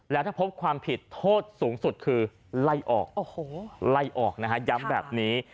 แล้วถ้าพบความผิดโทษสูงสุดคือไล่ออกไล่ออกนะฮะย้ำแบบนี้